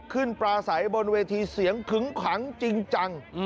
ขึ้นปราศัยบนเวทีเสียงขึงขังจริงจัง